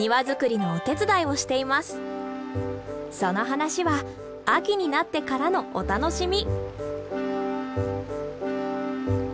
その話は秋になってからのお楽しみ。